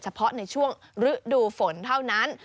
เฉพาะในช่วงฤดูฝนเท่านั้น